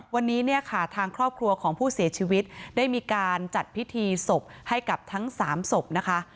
วันนี้เนี่ยค่ะทางครอบครัวของผู้เสียชีวิตได้มีการจัดพิธีศพให้กับทั้ง๓ศพนะคะ